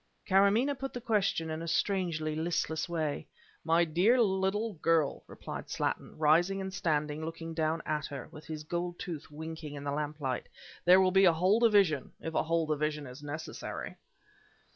Karamaneh put the question in a strangely listless way. "My dear little girl," replied Slattin, rising and standing looking down at her, with his gold tooth twinkling in the lamplight, "there will be a whole division, if a whole division is necessary."